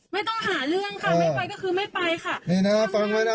ไม่ต้องหาเรื่องค่ะไม่ไปก็คือไม่ไปค่ะ